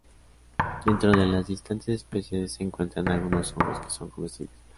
Dentro de las distintas especies, se encuentran algunos hongos que son comestibles.